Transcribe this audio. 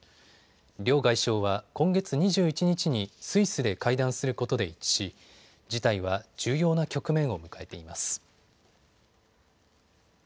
両外相は今月２１日にスイスで会談することで一致し事態は重要な局面を迎えています。